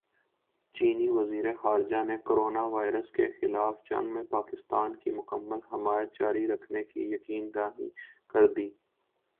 چینی وزیرخارجہ نے کورونا وائرس کےخلاف جنگ میں پاکستان کی مکمل حمایت جاری رکھنے کی یقین دہانی کرادی